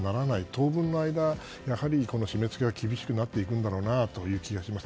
当分の間、締め付けは厳しくなっていくんだろうという気がします。